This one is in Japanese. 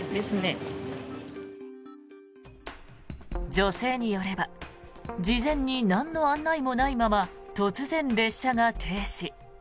女性によれば事前になんの案内もないまま突然列車が停止。